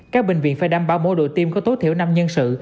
các bệnh viện phải đảm bảo mỗi độ tiêm có tối thiểu năm nhân sự